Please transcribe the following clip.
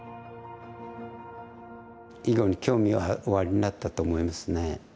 囲碁に興味はおありになったと思いますね。